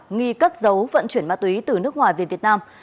nghi cất giấu vận chuyển ma túy từ nước ngoài về việt nam